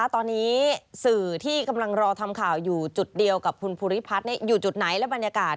ตอนนี้สื่อที่กำลังรอทำข่าวอยู่จุดเดียวกับคุณภูริพัฒน์อยู่จุดไหนและบรรยากาศ